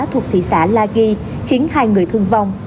thuộc thị xã la ghi khiến hai người thương vong